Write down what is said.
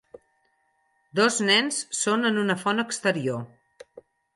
Dos nens són en una font exterior